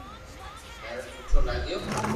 ھيرن سٺو لاگيو